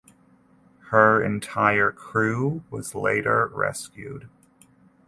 Her entire crew was later rescued.